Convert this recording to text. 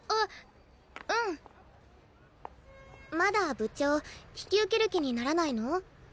まだ部長引き受ける気にならないの？